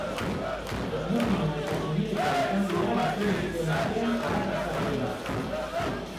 Esmokina eta tximeleta izan dira gizonezkoen artean arrakastatsuenak.